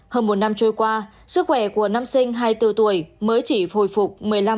hơn một năm trôi qua sức khỏe của năm sinh hai mươi bốn tuổi mới chỉ hồi phục một mươi năm